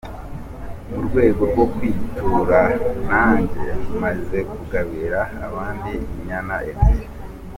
Mu rwego rwo kwitura nanjye maze kugabira abandi inyana ebyiri.